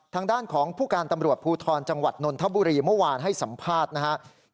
ทางด้านของผู้การตำรวจภูทรจังหวัดนนทบุรีเมื่อวานให้สัมภาษณ์นะครับ